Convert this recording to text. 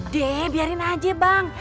deh biarin aja bang